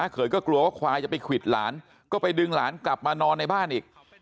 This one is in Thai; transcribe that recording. เคยก็กลัวว่าควายจะไปควิดหลานก็ไปดึงหลานกลับมานอนในบ้านอีก